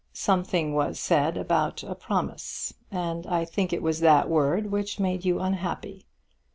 Something was said about a promise, and I think it was that word which made you unhappy.